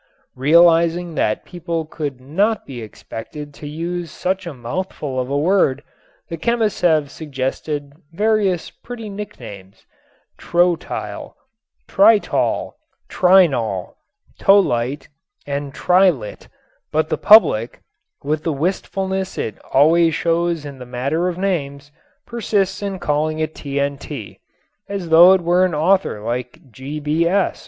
Realizing that people could not be expected to use such a mouthful of a word, the chemists have suggested various pretty nicknames, trotyl, tritol, trinol, tolite and trilit, but the public, with the wilfulness it always shows in the matter of names, persists in calling it TNT, as though it were an author like G.B.S.